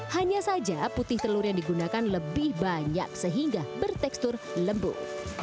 hanya saja putih telur yang digunakan lebih banyak sehingga bertekstur lembuk